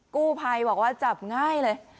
กู้ภัยบอกว่าจับง่ายเลย